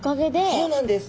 そうなんです。